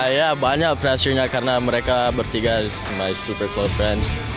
ya banyak pressure nya karena mereka bertiga super close friends